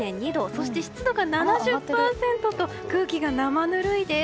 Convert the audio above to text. そして湿度が７０％と空気が生ぬるいです。